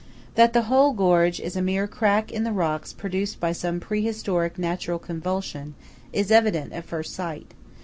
That the whole gorge is a mere crack in the rocks produced by some pre historic natural convulsion, is evident at first sight.